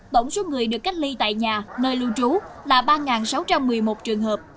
tổng số người được cách ly tại nhà nơi lưu trú là ba sáu trăm một mươi một trường hợp